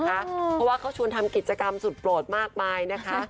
เพราะว่าเขาชวนทำกิจกรรมสุดโปรดมากมายนะคะ